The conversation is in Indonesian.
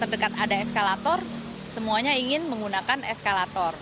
terdekat ada eskalator semuanya ingin menggunakan eskalator